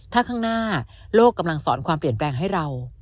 ถ้าข้างหน้าโลกกำลังสอนความเปลี่ยนแปลงให้เรา